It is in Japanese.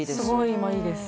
今いいです